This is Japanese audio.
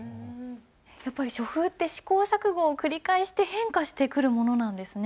やっぱり書風って試行錯誤を繰り返して変化してくるものなんですね。